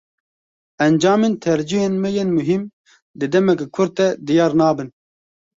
Encamên tercîhên me yên muhîm, di demeke kurt de diyar nabin.